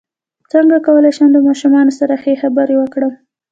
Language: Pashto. څنګه کولی شم د ماشومانو سره ښه خبرې وکړم